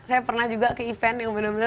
saya pernah juga ke event yang benar benar